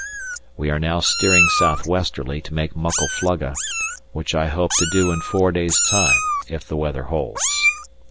We are now steering south westerly to make Muckle Flugga, which I hope to do in four days' time if the weather holds.